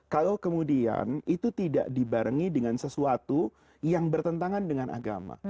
kalau kemudian itu tidak dibarengi dengan sesuatu yang bertentangan dengan agama